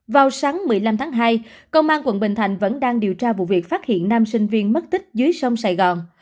vào sáng một mươi năm tháng hai công an quận bình thành vẫn đang điều tra vụ việc phát hiện nam sinh viên mất tích dưới sông sài gòn